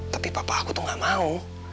tapi papa aku tuh gak mau